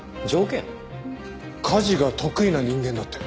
家事が得意な人間だって。